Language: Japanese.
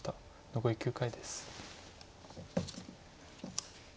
残り９回です。